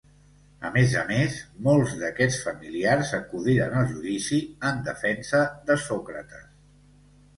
A més a més, molts d'aquests familiars acudiren al judici en defensa de Sòcrates.